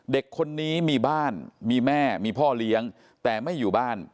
เด็กคนนี้มีบ้านมีแม่มีพ่อเลี้ยงแต่ไม่อยู่บ้าน